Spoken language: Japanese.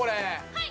はい。